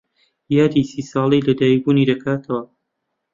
یادی سی ساڵەی لەدایکبوونی دەکاتەوە.